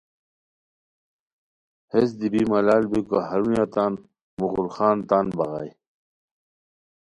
ہیس دی بی ملال بیکو ہرونیہ تان مغل خان تان بغائے